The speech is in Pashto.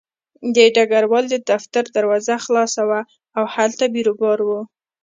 د ډګروال د دفتر دروازه خلاصه وه او هلته بیروبار و